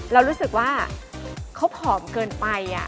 เรารู้สึกว่าเขาผอมเกินไป